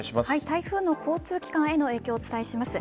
台風の交通機関への影響をお伝えします。